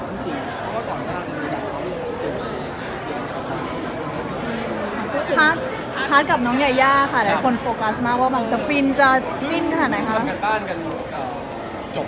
รู้สึกเป็นประมาณนิดละกันอะไรอย่างเงี้ย